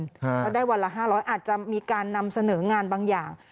ถ้าได้วันละ๕๐๐อาจจะมีการนำเสนองานบางอย่าง